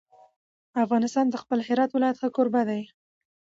افغانستان د خپل هرات ولایت ښه کوربه دی.